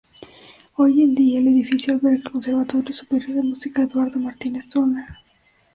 Hoy en día el edificio alberga el Conservatorio Superior de Música Eduardo Martínez Torner.